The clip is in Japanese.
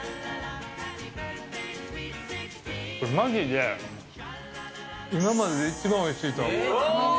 まじで、今までで一番おいしいと思う。